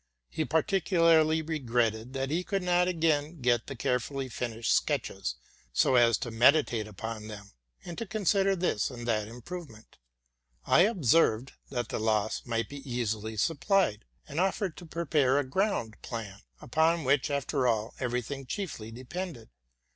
He particu larly regretted that he could not again get the carefully finished "sketches, so as to meditate wpon them, and to con sider this or that improvement. I observed, that the loss might be easily supplied, and offered to prepare a ground plan, upon which, after all, every thing chiefly depended.